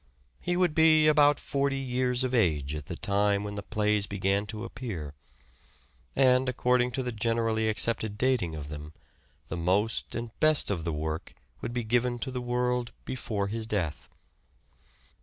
He would be about forty years of age at the time when the plays began to appear, and, according to the generally accepted dating of them, the most and best of the work would be given to the world before his death.